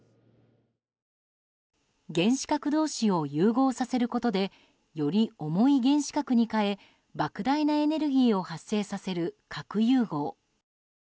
原子核同士を融合させることでより重い原子核に変え莫大なエネルギーを発生させる核融合。